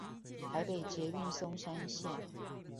台北捷運松山線